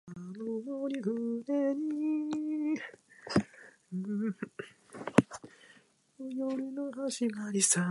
千葉市は千葉県の中央部に位置し、中心市街地は東京都の都心と成田国際空港の中間地点である。